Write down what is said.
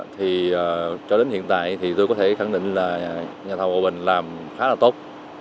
thì cho đến hiện tại thì tôi có thể khẳng định là nhà thầu hòa bình làm khá là tốt